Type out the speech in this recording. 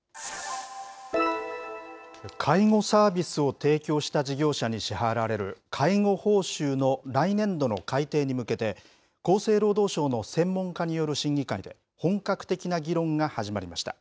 介護サービスを提供した事業者に支払われる介護報酬の来年度の改定に向けて、厚生労働省の専門家による審議会で、本格的な議論が始まりました。